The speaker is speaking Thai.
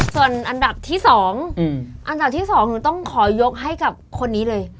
ส่วนอันดับที่๒อันดับที่๒หนูต้องขอยกให้กับคนนี้เลย